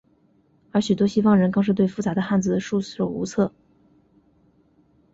而许多西方人更是对复杂的汉字束手无策。